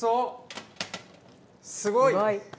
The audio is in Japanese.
すごい！